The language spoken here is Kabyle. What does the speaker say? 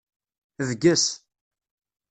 Bges.